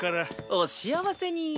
お幸せに。